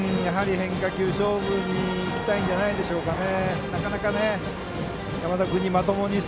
変化球勝負にしたいんじゃないでしょうかね。